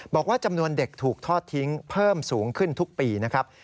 บอกว่าจำนวนเด็กถูกทอดทิ้งเพิ่มสูงขึ้นทุกปีนะครับ